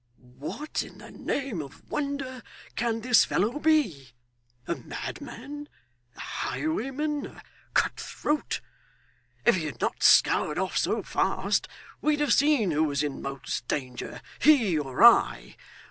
'What in the name of wonder can this fellow be! a madman? a highwayman? a cut throat? If he had not scoured off so fast, we'd have seen who was in most danger, he or I.